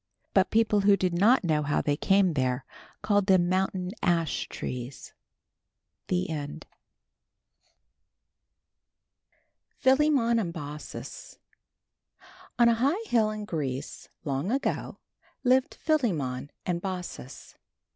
But people who did not know how they came there, called them mountain ash trees. PHILEMON AND BAUCIS. On a high hill in Greece, long ago, lived Philemon and Baucis.